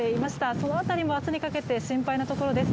その辺りも明日にかけて心配なところです。